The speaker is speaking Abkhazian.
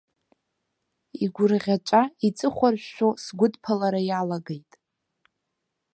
Игәырӷьаҵәа, иҵыхәаршәшәо сгәыдԥалара иалагеит.